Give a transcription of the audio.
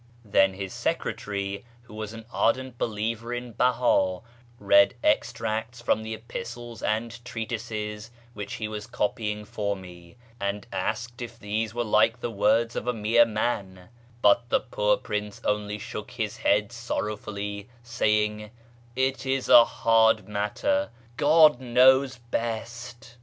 Then his secretary, who was an ardent believer in Bella, read extracts from the epistles and treatises which he was copying for me, and asked if these were like the words of I a mere man ; but the poor prince only shook his head sorrow I fully, saying, " It is a hard matter; God knows best